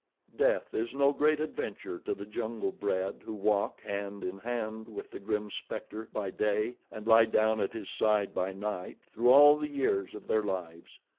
Death is no great adventure to the jungle bred who walk hand in hand with the grim specter by day and lie down at his side by night through all the years of their lives.